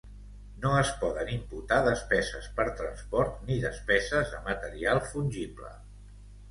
No es poden imputar despeses per transport ni despeses de material fungible.